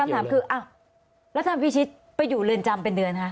คำถามคืออ้าวแล้วท่านพิชิตไปอยู่เรือนจำเป็นเดือนคะ